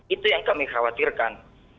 itu yang kami khawatirkan